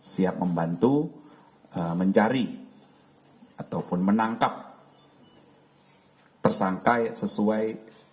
siap membantu mencari ataupun menangkap tersangka sesuai